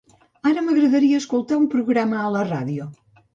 Ara m'agradaria escoltar un programa a la ràdio.